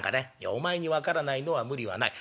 「お前に分からないのは無理はない。